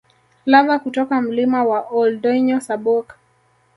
Lava kutoka Mlima wa Ol Doinyo Sabuk